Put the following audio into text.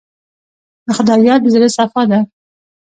د خدای یاد د زړه صفا ده.